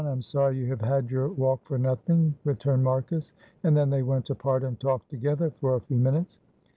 I am sorry you have had your walk for nothing," returned Marcus. And then they went apart and talked together for a few minutes.